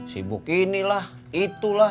sibuk inilah itulah